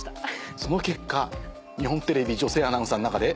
その結果日本テレビ女性アナウンサーの中で。